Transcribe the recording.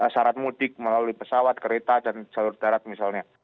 syarat mudik melalui pesawat kereta dan jalur darat misalnya